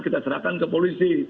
kita serahkan ke polisi